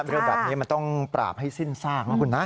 เรื่องแบบนี้มันต้องปราบให้สิ้นซากนะคุณนะ